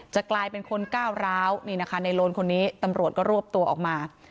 จะกลายเป็นคนก้าวร้าวนี่นะคะในโลนคนนี้ตำรวจก็รวบตัวออกมา